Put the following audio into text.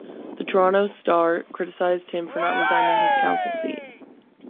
The "Toronto Star" criticized him for not resigning his council seat.